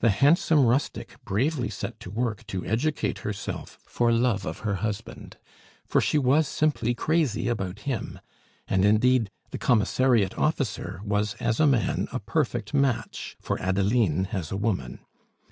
The handsome rustic bravely set to work to educate herself for love of her husband, for she was simply crazy about him; and, indeed, the Commissariat office was as a man a perfect match for Adeline as a woman.